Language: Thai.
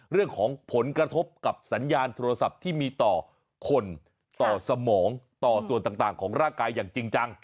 เรื่องของผลกระทบกับสัญญาณโทรศัพท์ที่มีต่อคนต่อสมองต่อส่วนต่างของร่างกายอย่างจริงจัง